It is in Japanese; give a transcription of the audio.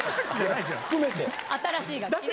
新しい楽器ね。